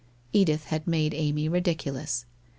Edith had made Amy ridiculous.